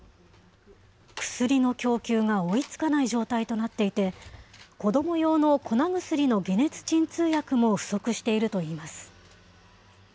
薬の供給が追いつかない状態となっていて、子ども用の粉薬の解熱鎮痛薬も不足しているといいます。